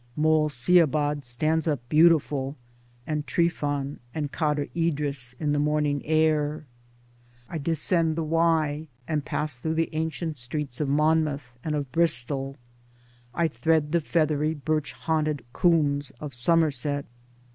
Moel Siabod stands up beautiful, and Trifan and Cader Idris in the morning air. I descend the Wye, and pass through the ancient streets of Monmouth and of Bristol. I thread the feathery birch haunted coombs of Somerset.